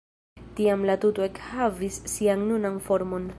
Tiam la tuto ekhavis sian nunan formon.